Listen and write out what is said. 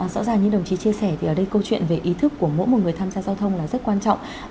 rõ ràng như đồng chí chia sẻ thì ở đây câu chuyện về ý thức của mỗi một người tham gia giao thông là rất quan trọng